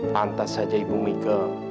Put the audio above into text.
pantas saja ibu mika